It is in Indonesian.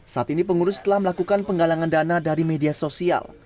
saat ini pengurus telah melakukan penggalangan dana dari media sosial